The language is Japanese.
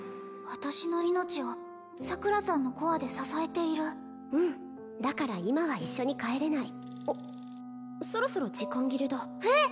私の命を桜さんのコアで支えているうんだから今は一緒に帰れないそろそろ時間切れだえっ！？